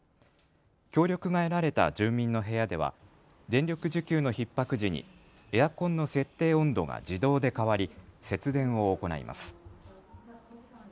協力が得られた住民の部屋では電力需給のひっ迫時にエアコンの設定温度が自動で変わり節電を行います。